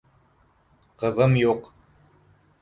Ҡыҙым юҡ.